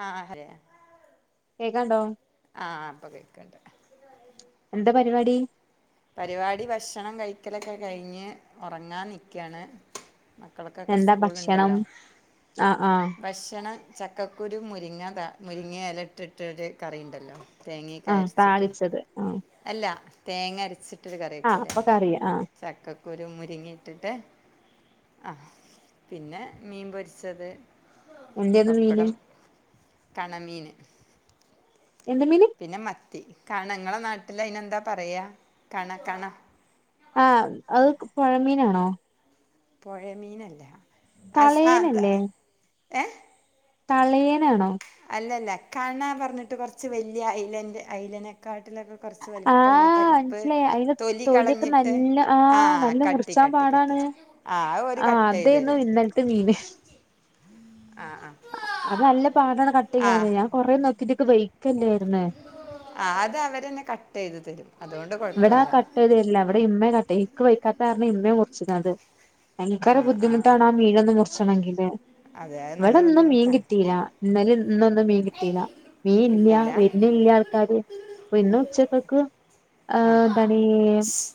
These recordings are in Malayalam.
ആ ആ ഹരയാ കേക്കാണ്ടോ ആഹ് അപ്പൊ കേക്കണ്ട് എന്താ പരിപാടി പരിപാടി ഭക്ഷണം കഴിക്കലൊക്കെ കഴിഞ്ഞ് ഉറങ്ങാൻ നിക്കണ് മക്കളൊക്കക്കെ എന്താ ഭക്ഷണം സ്കൂളുണ്ടല്ലോ ആഹ് ആഹ് ഭക്ഷണം ചക്കക്കുരു മുരിങ്ങ മുരിങ്ങയിലയിട്ടിട്ടൊരു കറിയുണ്ടല്ലോ തേങ്ങയൊക്കെ ആഹ് അരച്ചിട്ട് താളിച്ചത് അല്ല തേങ്ങ അരച്ചി മറ്റൊരു ആഹ് കറിവെക്കൂലേ അപ്പൊ കറി ആഹ് ചക്കക്കുരും മുരിങ്ങയിട്ടിട്ട് ആഹ് പിന്നെ മീൻ പൊരിച്ചത് എന്തേന്നു മീന് പപ്പടം കണമീന് എന്ത് മീന് പിന്നെ മ മത്തി കണ നിങ്ങള നാട്ടില് അയിന് എന്താ പറയാ കണ കണ ആ അത് പൊഴമീനാ ആ പുഴമീനല്ല തളേനല്ലേ ഏയ് തളയനാണോ അല്ലല്ല കാണ പറഞ്ഞിട്ട് കുറച്ച് വല്യാ ഐലൻഡ് ഐലനക്ക [unintelligible] കൊറച്ച് വലുപ്പമുള്ള ആഹ് ടൈപ്പ് മനസ്സിലായി അയിന്റെ തൊലി തൊലിയൊക്കെ കളഞ്ഞിട്ട് നല്ല ആഹ് നല്ല കട്ടി മുറിച്ചാൻ കട്ടി കട്ടി പാടാണ് ആ ഓര് ആഹ് കട്ട് ചെയ്ത് അതേന്നു തരും ഇന്നലത്തെ മീന് ആ ആ അത് നല്ല പാടാണ് ആ കട്ടെയ്യാന് ഞാൻ കൊറേ നോ വൈക്കല്ലേരുന്നേ? കട്ടെയ്ത് തരും. അതുകൊണ്ട് ഇവടെ കുഴപ്പമില്ല കട്ടെയ്ത് തര്ല എവടെ ഇമ്മേ കട്ടെയ് ക്ക് വെയ്ക്കാത്താരണം ഇമ്മേ മുർച്ചെന്നത്. ഭയങ്കര ബുദ്ധിമുട്ടാണ് ആ മീനൊന്ന് മുർച്ച്ണെങ്കില്. അതെ അത് നല്ല ഇവടൊന്നും മീൻ ബുദ്ധിമുട്ടാണ് കിട്ടീല. ഇന്നലെ ഇന്നൊന്നും മീൻ കിട്ടീല. മീനില്യാ കിട്ടിയില്ല വെർണില്ല്യാൾക്കാര് ഇന്നുച്ചകക്ക് ആ ആഹ് ന്താണീ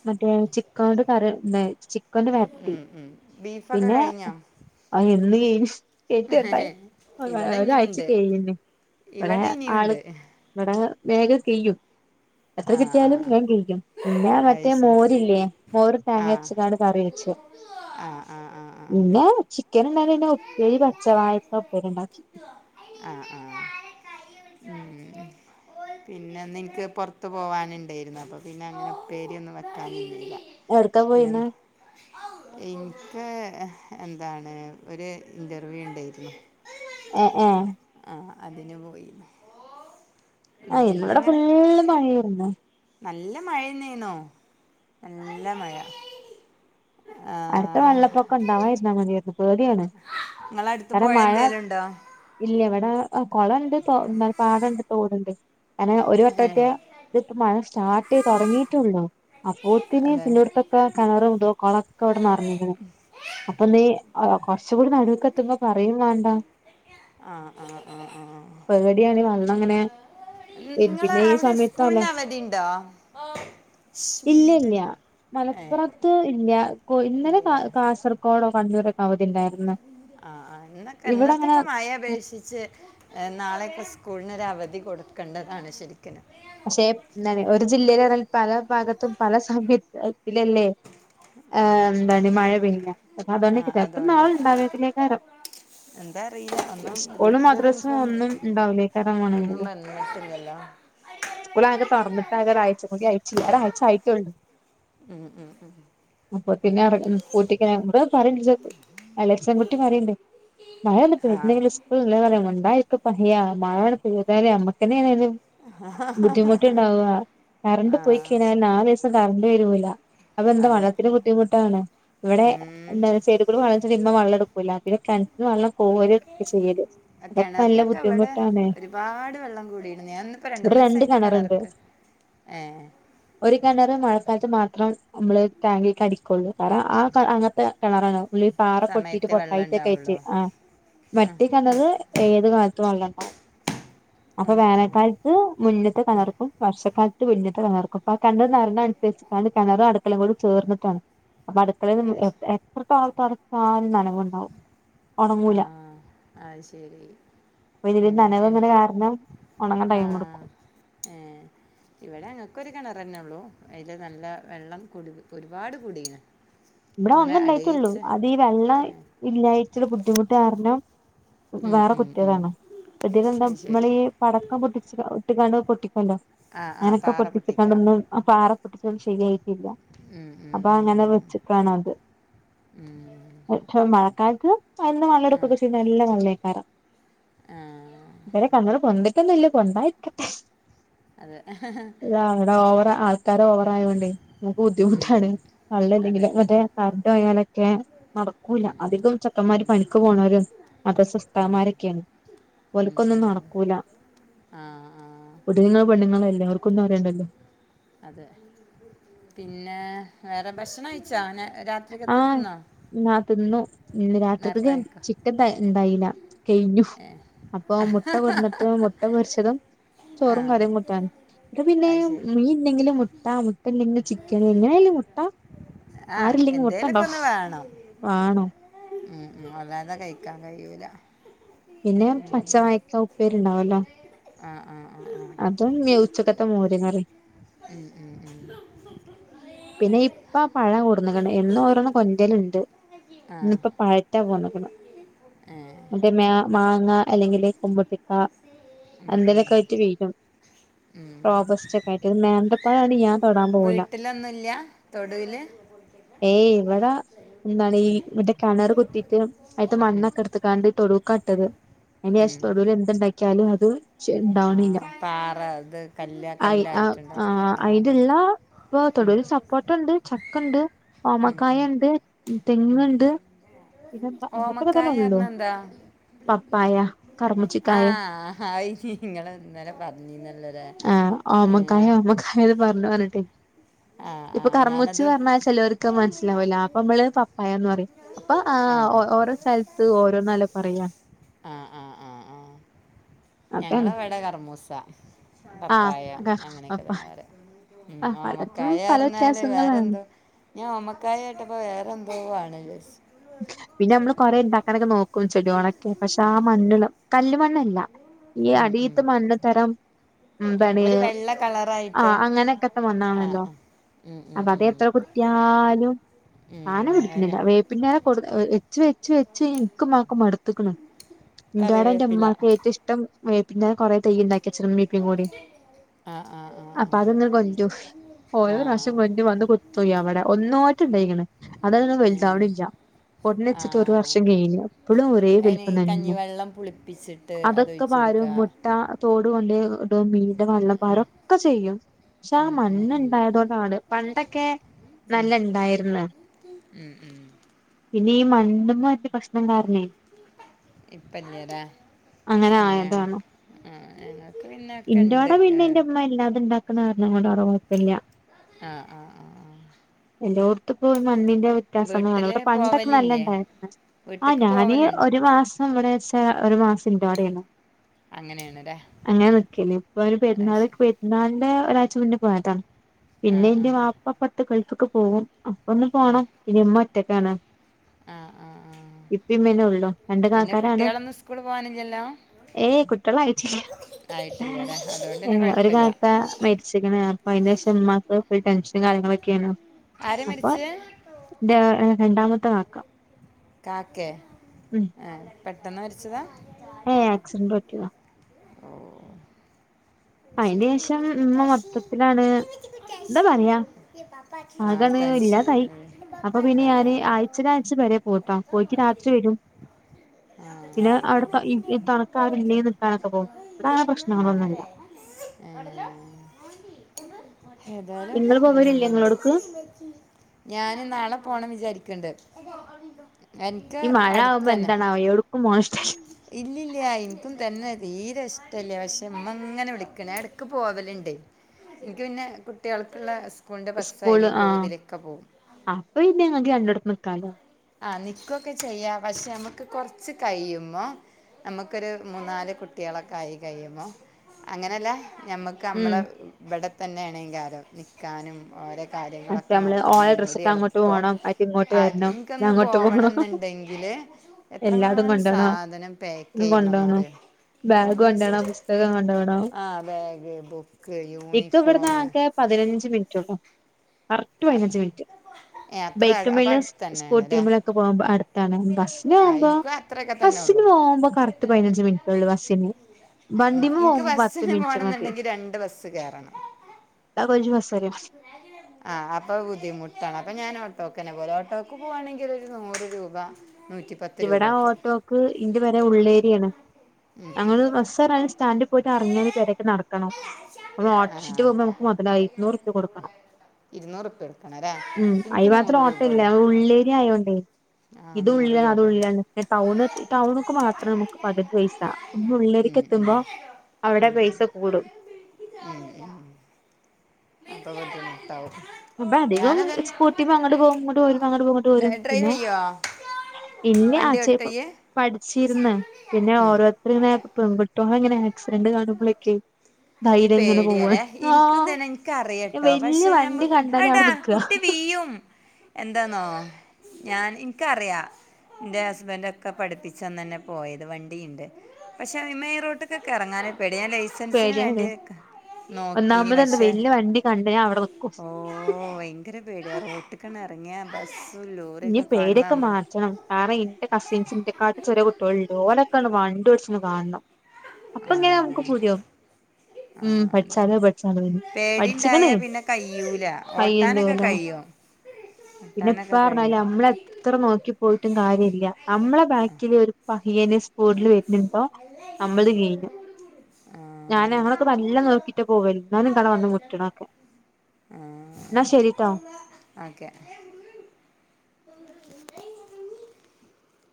മറ്റേ ഉച്ചിക്കാണ്ട് കറി ണ്ടായി ചി ക്കൊന്ന് വരട്ടി ഉം ഉം ബീഫൊക്കെ പിന്നേ കഴിഞ്ഞോ അ [unintelligible] ഇഷ് കേറ്റട്ടാ ഇവിടെ ഒരാഴ്ച ഇനിയുണ്ട് കെഴിഞ്ന് ഇവിടേ ഇവിടെ ആള് ഇനിയുണ്ട് ഇവിടേ വേഗം സ്കെയ്യോ? എത്ര ജി ആഹ് ആഹ് [unintelligible] പിന്നേ അത് മറ്റേ ശരി മോരില്ലേ മോർ ആഹ് തേങ്ങരച്ച്ങ്ങാണ്ട് കറി വെച്ച് ആഹ് ആഹ് ആഹ് ആഹ് പിന്നേ ചിക്ക [unintelligible] ഉപ്പേരി പച്ചവായക്ക ഉപ്പേരി ഇണ്ടാ ആഹ് ആഹ്. ഉം പിന്നെന്ന് ഇൻക് പുറത്ത് പോവാന് ണ്ടെയിരുന്നു അപ്പോ പിന്നെ അങ്ങന ഇപ്പേരിയൊന്നും വക്കാ നിന്നീല. എവിട്ക്കാ പോയിന്ന് പിന്നന്ത്‌ ഇൻക്ക് എന്താണ് ഒരു ഇന്റർവ്യൂ ഇണ്ടായിര്ന്നു ഉ ഉം. ആഹ് അതിന് പോയി ആ പിന്നെ ഇന്നിവിടെ അങ്ങനെ ഫുള്ള് മഴയാരുന്നു നല്ല മഴ തന്നെ ആയിനു നല്ല മഴ അടുത്ത ആഹ് വെള്ളപ്പൊക്കം ഇണ്ടാവാതിരുന്നാ മതിയാരുന്നു പേടിയാണ് നിങ്ങള അടുത്ത് കരണം പുഴ മഴ എന്തേലും ഉണ്ടോ ഇല്ല ഇവിടെ കൊളം ഉണ്ട് തോ ന്ന പാടം ഉണ്ട് തോടുണ്ട് അങ്ങനെ ഒരു വട്ടം ഏ എത്തിയാൽ മഴ സ്റ്റാ ർട്ട് തുടങ്ങിയിട്ടേയുള്ളൂ അപ്പോത്തിന് അതെ പിന്നിവിടത്തൊക്കെ കിണറും തോ കൊളം തോടും നറഞ്ഞീക്കണ് അപ്പൊ ഇനി ആ കുറച്ചും കൂടി നടുവേക്കെത്തുമ്പോ പറയുവേം വേണ്ട ആ ആ ആ ആ പേടിയാണ് വെള്ളം അങ്ങനെ വരും. നിങ്ങള് പിന്നെ ഈ അവിടെ സമയത്തല്ല സ്കൂളിന് അവധി ഉണ്ടോ ഇശോ ഇല്ല ഇല്ല മിണ്ടല്ലേ ആഹ് മലപ്പുറത്ത് ഇല്ല ഇന്നലെ കാ കാസർകോഡോ കണ്ണൂ രുക്ക് അവധിണ്ടായി ആക്കെ ഇന്നത്തൊക്കെ മഴ അങ്ങനെ അപേക്ഷിച്ച് നാളെക്- സ്കൂളിനരവധി കൊടുക്കേണ്ടതാണ് ശരിക്കിനും പക്ഷെ ന്താന്ന് ഒരു ജില്ലയിലാൽ പല ഭാഗത്തും പല സമഎത്തിലല്ലേ ആ ഏമ് എന്താ മഴ പെയഞ്ഞ അപ്പൊ അതന്ന ആ ചെിലപ്പം നാൾ അതുകൊണ്ട് ഉണ്ടാവതിലേ കാരം എന്താ അറിയില്ല ഒന്നും സ്കൂളും ഗ്രൂപ്പിലൊരു മദ്രസും ഇൻഫോം ഒന്നും ഉണ്ടാവില്ലേ കാര ഒന്നും വണെങ്കില് വന്നിട്ടില്ലല്ലോ സ്കൂൾ ആകെ തൊറന്നിട്ട് ആകെ ഒരാഴ്ച കൂടിയ ച്ചില്ല എടാ അയച്ച ആയിട്ടോള്ളൂ ഉം ഉം ഉം അപ്പൊ പിന്നെ ഇറ ഉം പൂട്ടിക്കാം എന്തോ പറയണുണ്ട് [unintelligible] കുട്ടി പറയിണ്ട് മഴ ഇണ്ട് ഇപ്പൊ ആ ഇന്നിനി സ്കൂൾ ഇല്ലേന്ന് അറിയാൻ പാടില്ല എന്താ ഇപ്പൊ പറയ്യാ മഴ അങ്ങട്ട് തീർന്നാലേ നമ്മക്കെന്നെന്നേലും ബുദ്ധിമുട്ടുണ്ടാവുക കറണ്ട് ആ പോയി കഴിഞ്ഞാൽ നാല് ദിവസം കറണ്ട് വരവൂല അപ്പൊ എന്താ അതെ വെള്ളത്തിന് ബുദ്ധിമുട്ടാണ് ഇവിടെ ഉം എന്താ ചെടികളും വളർച്ച തീരുമ്പോ വെള്ളം എടുക്കൂല പിന്നെ കിണറ്റീന്ന് വെള്ളം കോരി എടുക്കല ചെയ്യല് ആ അതൊക്കെ നല്ല കിണറിലൊക്കെ ഇവിടെ ബുദ്ധിമുട്ടന്നേ ഒരുപാട് വെള്ളം കൂടിയിരുന്നു ഞാൻ ഇന്നിപ്പോ ഇവിടെ മൂന്ന് രണ്ട് ദിവസമായിട്ട് കിണറുണ്ട് കിണർക്ക് ഏ ഒരു കിണറ് മഴക്കാലത്ത് മ മാത്രം നമ്മള് ടാങ്കിലേക്ക് അടിക്കുള്ളൂ കാരണം ആ ക അങ്ങനത്തെ കിണറാണ് പുള്ളി പാറ പൊട്ടിട്ട് സമയത്ത് വെള്ളം പോട്ടായിട്ടാ ഉണ്ടാവുള്ളൂ കയറ്റിയെ ആ ആ മറ്റേ കിണറ് ഏത് കാലത്തും വെള്ളോണ്ടാവും ആ അപ്പൊ ആ വേനൽക്കാൽ മുന്നത്തെ കിണർക്കും വർഷ താഴത്ത് വല്യത്ത കിണർക്കും അപ്പ ആ കിണറ് നിറഞ്ഞനുസരിച്ചിട്ടാണ് കിണറും അടുക്കളയും കൂടി ചേർന്നിട്ടാണ് അപ്പ അടുക്കളേലെന്നും അത് എ ശ എപ്രതാൾ തൊടച്ചാലും നനവുണ്ടാവും ആ ഒണങ്ങൂല അത് ശരി [unintelligible] ഉം എ നനവ് കാരണം ഒണങ്ങാൻ ടൈമ ആ ഏ ഇവിടെ ഞങ്ങൾക്കൊരു കിണർ ഞ്ഞുള്ളൂ അയില് നല്ല വെള്ളം കുടി ഒരുപാട് കുടീന് ഇവിടെ ഒന്ന് ഉണ്ടായിട്ടുള്ളൂ അത് ഈ വെള്ളം ഏ ഇല്ലാഴിച്ചിട് ബുദ്ധിമു ട്ടാരണം ഉം വേറെ ഉം ഉം കുട്ടികളാണ് അപ്പൊഴത്തേനും അത് ശരി നമ്മളീ പടക്കം പൊട്ടിച്ചി പൊട്ടിക്കാണ്ട് പൊട്ടി ആ ആ ഞനൊക്കെ പാറ പൊട്ടിക്കുക പൊട്ടിച്ചിട്ടോണ്ട് ആ പാറ പ്പം ശര്യായി ഇല്ല ഉം ഉം അപ്പൊ ആങ്ങനെ ഉം വെച്ച് [unintelligible] ന്ദ് [unintelligible] ആ ഇതുവരെ കണ്ണിൽ കൊണ്ടിട്ടൊന്നുമില്ല കൊണ്ടായിരിക്കട്ടെ അതെ ആ ഇവിടെ ഓവറ ആ ഓവറായോണ്ടേ നമുക്ക് ഉം ബുദ്ധിമുട്ടാണ് നല്ല അതെ എന്തെങ്കിലും ഇവിടെ കറണ്ട് പോയാലൊക്കെ നടക്കൂല്ല അധികംചെക്കന്മാര് പനിക്ക് പോണര് മദ്രസ ഉസ്താത്മാരൊക്കെയാണ് ഉം ഒലുക്കൊന്നും ഉം നടക്കൂല ആഹ് ആഹ് പുതുങ്ങ പെണ്ണുങ്ങളല്ല എല്ലാവർക്കും ഒന്നും അറിയണ്ടല്ലോ അതെ പിന്നെ വേറെ ഭക്ഷണം കഴിച്ച അനെ ആ തിന്നു ഇന്ന് നേരത്തെ രാത്രിക്കത്തേക്ക് കഴിക്കോ ചിക്കൻ ഇണ്ടായില്ല. കഴിഞ്ഞു ഏഹ് അപ്പൊ മുട്ട കൊടുന്നിട്ട് മുട്ട പൊരിച്ചതും ചോറും ആഹ് കറിയും മുട്ടാണ് ഇപ്പ പിന്നെ അത് ശരി മീൻ ഇല്ലെങ്കിലും മുട്ട മുട്ട ഇല്ലെങ്കിൽ ചിക്ക് എങ്ങനെല്ല മുട്ട ആ ആരില്ലെങ്കിൽ മുട്ട ഉണ്ടാവും എന്തേലൊക്കൊന്നു വേണം വേണം അല്ലാതെ കഴിക്കാൻ കഴിയൂല പിന്നെ പച്ചവായക്ക ഉപ്പേരിയു ണ്ടാവല്ലോ ആ അതും ഉച്ചക്കത്തെ മോരുകറി ഉം ഉം ഉം പിന്നെ ഇപ്പ പഴം കൂർന്നക്കണ് എന്നും ഓരോന്ന് കൊന്റലുണ്ട് ആഹ് ഇന്നിപ്പോ പഴത്താ കൊണ്ടക്കണ് ഏഹ് മറ്റേ മ്യാ മാങ്ങ അല്ലെങ്കില് കുമ്പുട്ടിക്ക ഉം ഉം അന്തേലൊക്കെയിട്ട് വീഴും ഉം റോബസ്റ്റ് ഒക്കെ ആയിട്ടത് നേന്ത്രപ്പഴാണ് ഞാൻ തൊടാൻ പോവൂല വീട്ടിലൊന്നും ൽ ല്ലാ തൊടൂല്ലാ ഏയ് ഇവിടാ എന്താണ് ഈ മറ്റെ കിണർ കുത്തീട്ട് ആയിട്ട് ഉം മണ്ണൊക്കെ എടുത്ത് കാണ്ട് തൊടുക്കാട്ടത് എന്റെയാശ് ഉം തൊടുവില് എന്തുണ്ടാക്കിയാലും അത് ശ് ആ ഉണ്ടാവണില്ല പാറ ഇത് കല്ല അയ് ആ കല്ലായിട്ടുണ്ടാവും അയിലുള്ള ത്തോടൂ ഒരു സപ്പോട്ട ഉണ്ട് ചക്കണ്ട് ഉം, ഉം. ഓമക്കായ ഉണ്ട് തെങ്ങുണ്ട് ഇതൊക്കെ ഓമക്കായ തന്നേയുള്ളൂ പറഞ്ഞ എന്താ പപ്പായ കറമച്ചിക്കായ നിങ്ങള് ഇന്നലെപറഞ്ഞില്ലാരുന്നൊരു ഞാ ഓമക്കായ [unintelligible] ഇപ്പൊ ഞാനത് കർമ്മുച്ച്‌ന്നു പറഞ്ഞാൽ ചിലവർക്ക് മനസ്സിലാവൂല അപ്പൊ നമ്മള് പപ്പായന്ന് പറയും അപ്പൊ ആ ഓരോ സ്ഥലത്ത് ഓരോന്നാലോ പറയാ ആ ആ ആ ആ അതാണ് ഞങ്ങളവിടെ കർമൂസ ആ പപ്പായ അതാ അങ്ങനെക്കെ അപ്പ തന്നെ പറയാ ഉം ആമ് പലർക്കും പല കായർഞ്ഞാല് വ്യത്യാസങ്ങളാണ് വേറെന്ത് ഞാൻ ഓമക്കായകേട്ടപ്പോ വേറെന്തോവാണ് യെസ് കുൽച്ചകോണൊക്കെ പക്ഷെ ആ മണ്ണ്ള്ള കല്ല് മണ്ണല്ല ഈ ഉം, അടിത്ത ഉം. മണ്ണ് തറം ഉം ഒരു പണിയും വെള്ള ആ കളറായിട്ട് ആഹ് അങ്ങനൊക്കെത്തമണ്ണാണല്ലോ ആഹ് ഉം ഉം അത ഉം എത്ര കുത്ത്യായലും ഉം സാനം അനെ പിടിക്കുന്നില്ല ഇങ്ങനെ കൊടു വെച്ച് വെച്ച് വെച്ച് ഇൻക്കുമ്മാക്കും മടത്ത് ക്ക്ണ് ഇൻ്റാടെ ഇന്റെ കറിവേപ്പില മ്മാക്ക് ഏറ്റുഷ്ടം വെപിൻ്റെ കൊറെ തെയ്യിണ്ട കച്ചറ മീപ്പീം കൂടി ആഹ് ആഹ് അപ്പൊ അതൊന്ന് ആഹ് കൊൻരും ആഹ് ഓരോ പ്രാവശ്യം ആഹ് കൊൻരും വന്ന് കുത്തും എവടെ ഒന്നോ എറ്റെ ഇണ്ടായിക്ണ് അതങ്ങട് ഏഹ് വൽതാവണി ല് ഒന്നച്ചിട്ട് ഒരു ആഹ് വർഷം കഴിഞ്ഞ് ഇപ്പളും ഒരേ അയിന് വൽപ്പം ഈ തന്നെ കഞ്ഞിവെള്ളം പുളിപ്പിച്ചിട്ട് അതൊക്കെ അതൊഴിച്ച് കൊടുക്ക പാരും മുട്ട തോട കൊണ്ട് [unintelligible] [unintelligible] മി ഉം ൻ്റെവള്ളപ്പാരൊക്കെ ചെയ്യും പക്ഷെ ആ ഉം ഉം മണ്ണ് ഉം ണ്ടായതോണ്ടാണ് പണ്ടൊക്കെ നല്ല ഇണ്ടായിര്ന്ന് ഉം ഉം പിന്നെ ഈ മണ്ണ്മ്മ് പ്രശ്നം കാരണേ ഇപ്പല്ല്യലെ അങ്ങനെ ഉം ഞ ആയതാണ് ആ ഞങ്ങക്ക് പിന്നതൊക്കെണ്ട് ഏ ക്ക്ന്ന കാരണം കൊണ്ട് അവ്ടെ കൊയപ്പല്ല ആ ആ ആ ആ എല്ലോട്ത്ത് പോ മണ്ണിൻ്റെ വ്യത്യാസമാണ് ഇവിടെ പണ്ടൊക്കെ നല്ല പോവലില്ലേ ഇണ്ടായിര്ന്ന് ആ വീട്ട്ക്ക് ഞാന് പോവലുണ്ടോ ഒരു മാസ ഇവടെച്ചാ ഒരു മാസം ഇന്റൊടെണ് അങ്ങനെയാണ്ല്ലേ അങ്ങനെ നിക്കല് ഇപ്പൊ യ്ന് അത് ശരി പെർന്നാൾക്ക് പെരുന്നാൾ ന്ന് ഒരാഴ്ച മുന്ന് പോയതാണ് ആ പിന്നെ ആ ഇന്റെ വാപ്പ പത്ത് കൊയ്ത്തു ക്ക് പ്പോവും അപ്പൊ ന്ന് പോണം മ്മൊറ്റക്കാണ് ആ ആ ആ ഇപ്പിമ്മെനൊള്ളു രണ്ട പിന്നെ കാക്കാരാണ് കുട്ടികളൊന്നും സ്കൂൾ പോകാനില്ലല്ലോ ഏയ് കുട്ട്യേളായിട്ടില്ല ആയിട്ടില്ല അല്ലേ അതുകൊണ്ട് ഏ പിന്നെ ഒരു കുഴപ്പമില്ല കാക്ക മരിച്ചിരിക്ക്ണ് അപ്പൊ അയിൻ്റെ ശേഷം ഇമ്മാക്ക് ഫുൽ ടെൻഷൻ കാര്യങ്ങളൊക്കെ ക്കേനു‌‍ ആരാ മരിച്ചേ ൻ്റെ അ് രണ്ടാമത്തെ കാക്ക കാക്കെ ഉം എ പെട്ടെന്ന് മരിച്ചതാ ഏ ആക്സിഡന്റ് പറ്റ്യതാ അതിന് ശേഷം ഉമ്മ മൊത്തത്തിലാണ് ശെരി ആകാണ്ട് ഇല്ലാതായ് അപ്പൊ പിന്നെ ആ ഞാന് ആഴ്‌ചെലാഴ്ചെ പെരെ പോവുട്ടോ പോയിട്ട് രാത്രി വെരും തണുക്കാരും ആ ഇല്ലെങ്കിൽ നിക്കാനൊക്കെ പോകും ഇവിടെ അങ്ങനെ പ്രശ്നങ്ങളൊന്നുമില്ല അ ഏ ഏതായാലും ഇങ്ങള് പോവലില്ലേ ഉം ഇങ്ങളോട്ക്ക് ഞാൻ നാളെ പോണം വിചാരിക്കണ്ട് കേൾക്കത്തില്ല ഈ മഴ [unintelligible] ബന്താനാവിയിടു ഇല്ലല്ലയാ ഇനിക്കും തന്നതി തീരെഷ്ടല്ല്യ പക്ഷെ മ്മ ഇങ്ങനെ വിളിക്കന്ന നാ ഇടക്ക് പോവലണ്ട് ഇന്ക്ക് പിന്നെ കുട്ടികൾക്ക്ള്ള സ്കൂള് ആ അപ്പൊ ഇന്ന് ങ്ങക്ക് രണ്ടിടത്ത് നിൽക്കാലോ ആ നിൽക്കുവൊക്കെ ചെയ്യാം പക്ഷെ നമുക്ക് കുറച്ച് കഴിയുമ്പോ നമുക്കൊരു മൂന്നാല് കുട്ടികളൊക്കെ ആയി കഴിയുമ്പോ അങ്ങനല്ല ഞമ്മക്ക് ഉം നമ്മട ഇവിടെ തന്നെയാണെങ്കിൽ കാലം നിൽക്കാനും ഓര മറ്റേ കാര്യങ്ങളൊക്കെ നമ്മള് നോക്കാനും ഓലെ ഒന്നൂടി ഡ്രസ്സ്ട്ട് അങ്ങോട്ട് എളുപ്പം പോണം അയ്റ്റ് ഇങ്ങോട്ട് ആ വരണം ഇത് അങ്ങോട്ട് പോണം പോവണംന്ന് ണ്ടെങ്കില് എല്ലാതും എത്രമാനം കൊണ്ടോണം സാധനം ഇതും പാക്ക്ചെയ്യണംന്ന് കൊണ്ടോണം അറിയോ ബാഗ് കുറേ സാ കൊണ്ടോണം പുസ്തകം കൊണ്ടോണം ആ ബാഗ് ബുക്ക്‌ ഇക്ക് ഇവട്ന്ന് യൂണിഫോം ആകെ പതിനഞ്ച് മിനിറ്റൊള്ളു കറക്റ്റ് പതിനഞ്ച് മിനിറ്റ് ഏഹ് അത്ര ബൈക്കിൻ അപ്പൊ മേല് അടുത്ത് തന്നെയാണ് സ്കൂട്ടിയിൻ ല്ലേ മേല് ഒക്കെ പോകുമ്പോ ബസ്സിന് ആഹ് പോകുമ്പോ എനിക്കും അത്രയൊക്കെ തന്നെ ബസ്സിന് ഉള്ളു പോകുമ്പോ കറക്റ്റ് പതിനഞ്ച് മിനിറ്റ് ഉള്ളു ബസ്സിന് ഉം. വണ്ടിമേ എനിക്ക് പോകുമ്പോ പത്ത് ബസ്സിന് മിനിറ്റ് മതി പോകണമെന്നുണ്ടെങ്കിൽ രണ്ട് ബസ് കയറണം ആ അപ്പൊ ബുദ്ധിമുട്ടാണ് അപ്പൊ ഞാൻ ഓട്ടോക്കനെപോകല് ഓട്ടോക്ക് പോവാണെങ്കിൽ ഒരു നൂറ് രൂപ നൂറ്റിപ്പത്ത് ഇവിടെ രൂപയൊക്കെ ഓട്ടോക്ക് ഇന്റെ പെര ഉള്ളേരിയാണ് ഞങ്ങള് ബസ് എറങ്ങി സ്റ്റാൻഡി പോയിട്ട് ഇറങ്ങിയന് പെരേക്കെ നടക്കണം നമ്മള് ആ ഓട്ടോശക്ക് പോകുമ്പോ നമുക്ക് മൊതലായ് ഇരുന്നൂറുപ്യ കൊടുക്കണം ഇരുന്നൂറ് ഉപ്പ് എടുക്കണം അല്ലേ ഉം അയി എനിക്ക് മാത്ര നൂറ് രൂപ ഓട്ടം ഇല്ല ഉള്ളു ഉള്ളേരിയ ആയോണ്ടേ ആ ഇത് ഉള്ള നൂറ് അത് രൂപ ഉള്ളിലാണ് ടൌൺ ടൗൺക്ക് മാത്രേ മ്മക്ക് പകുതി പൈസാ ഉള്ളേര്ക്ക് ഉം, ഉം. എത്തുമ്പോ അവിടെ ഉം, ഉം. പൈസ കൂടും ഉം, ഉം. [unintelligible] അപ്പൊ അധികം ഞാനത് സ്കൂട്ടിപ അങ്ങോട്ട് പോകും ഇങ്ങോട്ട് പോരും അങ്ങട്ട് പോകി ങ്ങോട്ട് പോരും ഡ്രൈവ് പിന്നെ ചെയ്യോ ഇന്ന വണ്ടി അച്ച ഓട്ടയ്യ് പഠിച്ചിരുന്ന് പിന്നെ ഉം ഓരോരുെതിങ്ങനെ പെ ഇങ്ങനെ ആക്സിഡന്റ് കാണുമ്പോളെക്കെ ഒരു പേടിയല്ലേ ഇനിക്കെന്താണ് ഇനി ഞാൻ ക്കറിയട്ടോ വല്യ പക്ഷെ ഞ വണ്ടി കണ്ടാല് അവിടെ എടാ നിക്കാ കുട്ടി വീയും എന്താന്നോ ഞാൻ ഇൻക്കറിയാം എന്റെ ഹസ്ബൻഡൊക്കെ പഠിപ്പിച്ചന്നന്നേ പോയത് വണ്ടിയിണ്ട് പക്ഷെ അയിമ്മേ റോട്ടിക്കൊക്കെ ഇറങ്ങാൻ പേടി ഞാൻ ലൈസ പേടിയാണ് വേണ്ടി നോക്കിന് ഒന്നാമത് എന്താ പക്ഷെ വല്യ വണ്ടി കണ്ട ഞാൻ അവിടെ നിക്കും ഓ ഭയങ്കര പേടിയ റോട്ടിക്ക് ഇറങ്ങിയ ബസ് ഇനി പേഡ്യോക്കെ മാറ്റണം കാരണം ഇന്റെ കസിൻസിന്റെ കാട്ടി ചെറിയ കുട്ട്യോള്ണ്ട് ഓനൊക്കെ വണ്ടി ഓ [unintelligible] കാണണം അപ്പൊ ആ ഇങ്ങനെ നമുക്ക് പൂതിയാവും ആ ആ ഉം പഠിച്ചാലോ അതന്നെ പഠിച്ചാലോന്ന് പഠിച്ചിക്കണ് പേടിണ്ടായാ പിന്നെ കയ്യൂല ഓട്ടാനൊക്കെ കയ്യുണ്ടോലോ കഴിയും ട്ടാനൊക്കെ പറഞ്ഞോല നമ്മളെത്ര നോക്കി പോയിട്ടും കാര്യല്ലാ അമ്മളെ ബാക്കിലൊരു പഹ്യനെ സ്പോഡില് വരണ്ടോ അമ്മള് കയിഞ്ഞു ഞാനങ്ങ വല്ല നോക്കിട്ട് പോവല്ല എന്നാനും കാണാ വന്ന് മുട്ടണൊക്കെ എന്നാ ശരിട്ടോ ഓക്കേ